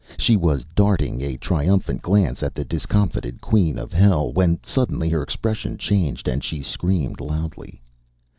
She was darting a triumphant glance at the discomfited Queen of Hell, when suddenly her expression changed, and she screamed loudly.